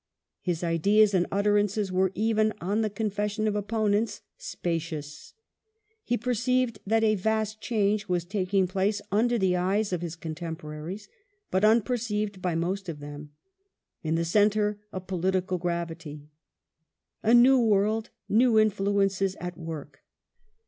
His ideas and utterances werCj even on the confession of opponents, " spacious ". He perceiv that a vast change was taking place under the eyes of his contem poraries, but unperceived by most of them, in the centre of political gravity. " Anew world, new influences at work."